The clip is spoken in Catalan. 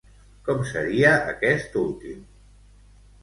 Com seria aquest últim?